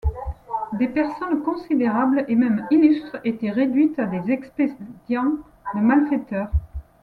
Des personnes considérables, et même illustres, étaient réduites à des expédients de malfaiteurs.